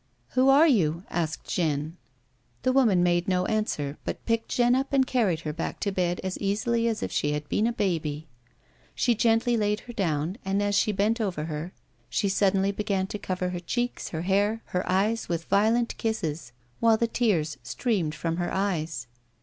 " Who are you 1 " asked Jeanne. The woman made no answer but picked Jeanne up and carried her back to bed as easily as if she had been a baby. She gently laid her down, and, as she bent over her, she suddenly began to cover her cheeks, her hair, her eyes with violent kisses, while the tears streamed from her eyes.